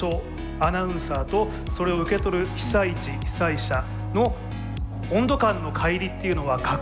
アナウンサーとそれを受け取る被災地被災者の温度感のかい離っていうのは確実にあるんだな。